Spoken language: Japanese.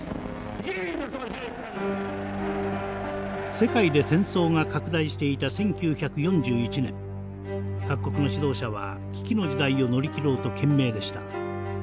世界で戦争が拡大していた１９４１年各国の指導者は危機の時代を乗り切ろうと懸命でした。